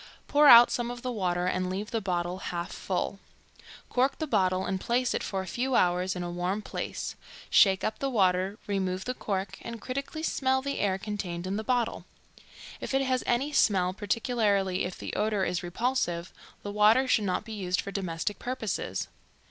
Pour out some of the water and leave the bottle half full; cork the bottle and place it for a few hours in a warm place; shake up the water, remove the cork, and critically smell the air contained in the bottle. If it has any smell, particularly if the odor is repulsive, the water should not be used for domestic purposes.